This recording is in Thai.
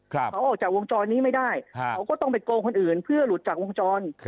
เขาออกจากวงจรนี้ไม่ได้เขาก็ต้องไปโกงคนอื่นเพื่อหลุดจากวงจร